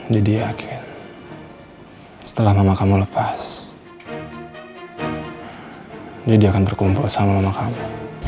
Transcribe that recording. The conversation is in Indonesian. deddy yakin setelah mama kamu lepas deddy akan berkumpul sama mama kamu